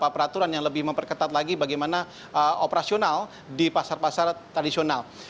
peraturan yang lebih memperketat lagi bagaimana operasional di pasar pasar tradisional